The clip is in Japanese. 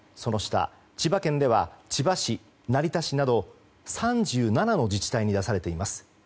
千葉県では千葉市、成田市など３７の自治体に出されています。